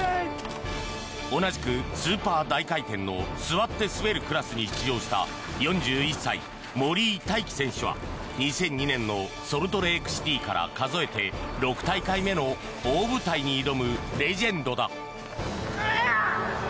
同じくスーパー大回転の座って滑るクラスに出場した４１歳、森井大輝選手は２００２年のソルトレークシティーから数えて６大会目の大舞台に挑むレジェンドだ。